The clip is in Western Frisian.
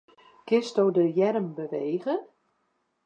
Kinsto de earm bewege?